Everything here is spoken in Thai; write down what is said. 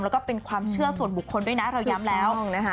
แล้วก็เป็นความเชื่อส่วนบุคคลด้วยนะเราย้ำแล้วนะคะ